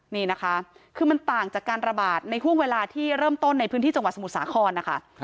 นี่นะคะคือมันต่างจากการระบาดในห่วงเวลาที่เริ่มต้นในพื้นที่จังหวัดสมุทรสาครนะคะ